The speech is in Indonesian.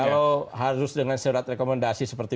kalau harus dengan surat rekomendasi seperti